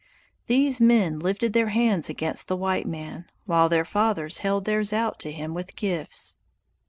These men lifted their hands against the white man, while their fathers held theirs out to him with gifts.